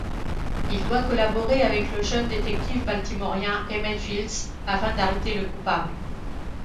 Il doit collaborer avec le jeune détective baltimorien Emmett Fields afin d'arrêter le coupable.